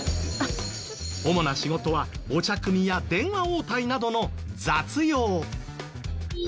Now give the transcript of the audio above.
主な仕事はお茶くみや電話応対などの雑用。